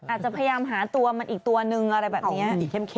อาจจะพยายามหามันตัวนึงแบบนี้